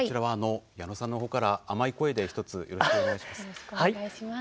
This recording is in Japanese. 矢野さんのほうから甘い声で１つよろしくお願いします。